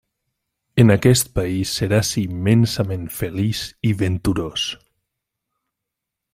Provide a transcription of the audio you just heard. En aquest país seràs immensament feliç i venturós.